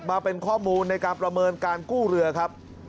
มาเป็นข้อมูลในการประเมินการกู้เรือครับ